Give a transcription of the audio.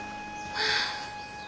はあ。